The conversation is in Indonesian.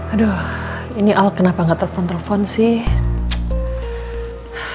aduh ini al kenapa nggak telfon telfon sih